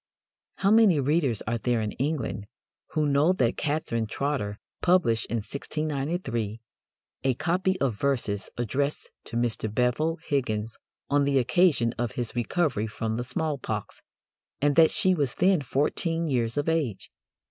How many readers are there in England who know that Catherine Trotter "published in 1693 a copy of verses addressed to Mr. Bevil Higgons on the occasion of his recovery from the smallpox," and that "she was then fourteen years of age"?